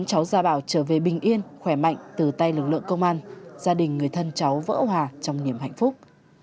cháu gia bảo trở về bình yên khỏe mạnh từ tay lực lượng công an gia đình người thân cháu vỡ hòa trong niềm hạnh phúc